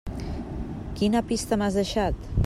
Quina pista m'has deixat?